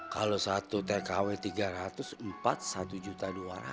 kalau satu tkw tiga ratus empat satu juta dua ratus